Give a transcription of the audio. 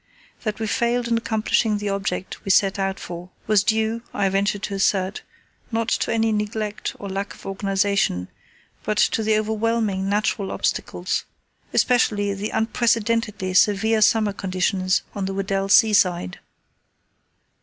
That we failed in accomplishing the object we set out for was due, I venture to assert, not to any neglect or lack of organization, but to the overwhelming natural obstacles, especially the unprecedentedly severe summer conditions on the Weddell Sea side.